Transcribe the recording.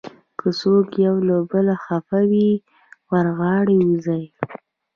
که څوک یو له بله خفه وي، ور غاړې وځئ.